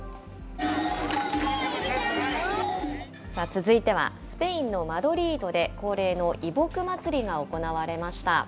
続いては、スペインのマドリードで、恒例の移牧祭りが行われました。